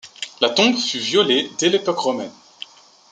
La tombe fut violée dès l'époque romaine.